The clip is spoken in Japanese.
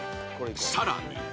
［さらに］